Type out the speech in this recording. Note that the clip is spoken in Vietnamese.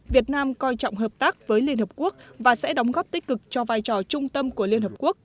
việt nam coi trọng hợp tác với liên hợp quốc và sẽ đóng góp tích cực cho vai trò trung tâm của liên hợp quốc